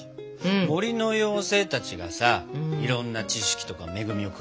森の妖精たちがさいろんな知識とか恵みをくれるんですね。